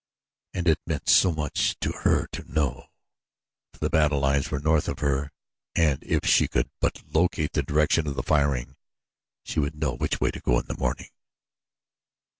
And it meant so much to her to know, for the battle lines were north of her and if she could but locate the direction of the firing she would know which way to go in the morning.